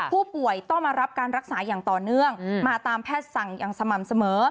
ผู้ป่วยต้องมารับการรักษาอย่างต่อเนื่องมาตามแพทย์สั่งอย่างสม่ำเสมอ